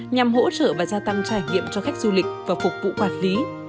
nhằm hỗ trợ và gia tăng trải nghiệm cho khách du lịch và phục vụ quản lý